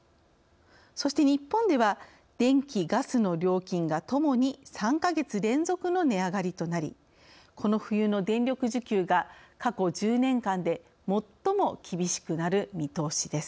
そして日本では電気・ガスの料金がともに３か月連続の値上がりとなりこの冬の電力需給が過去１０年間で最も厳しくなる見通しです。